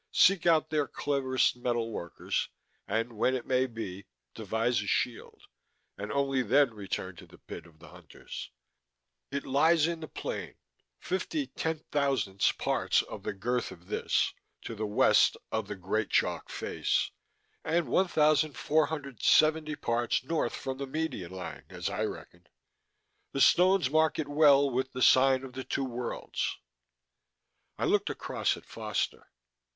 Seek out their cleverest metal workers, and when it may be, devise a shield, and only then return to the pit of the Hunters. It lies in the plain, 50/10,000 parts of the girth of this(?) to the west of the Great Chalk Face, and 1470 parts north from the median line, as I reckon. The stones mark it well with the sign of the Two Worlds._ I looked across at Foster.